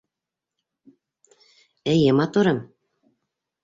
Эйе, матурым.